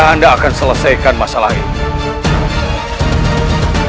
anda akan selesaikan masalah ini